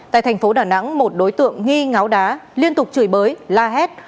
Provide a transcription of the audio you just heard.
tại thành phố đà nẵng một đối tượng nghi ngáo đá liên tục chửi bới la hét